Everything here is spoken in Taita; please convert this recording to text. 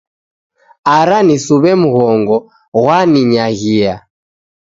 Ara nisuw'e mghongo, ghwaninyghia.